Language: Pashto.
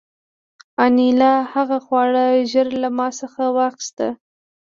انیلا هغه خواړه ژر له ما څخه واخیستل